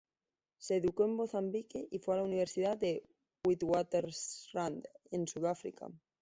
Se educó en Mozambique y fue a la Universidad de Witwatersrand en Sudáfrica.